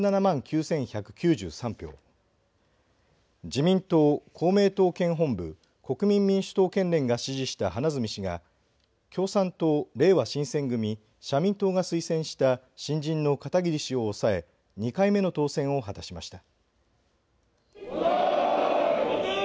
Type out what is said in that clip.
自民党、公明党県本部国民民主党県連が支持した花角氏が共産党、れいわ新選組社民党が推薦した新人の片桐氏を抑え２回目の当選を果たしました。